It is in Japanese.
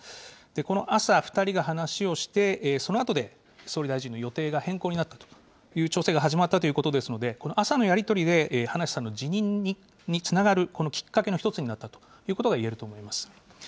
この朝、２人が話をして、そのあとで、総理大臣の予定が変更になったという、調整が始まったということですので、この朝のやり取りで、葉梨さんの辞任につながる、このきっかけの一つになったということがいえると思います。